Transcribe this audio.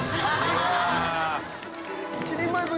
１人前分。